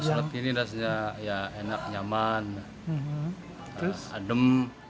sholat ini rasanya ya enak nyaman adem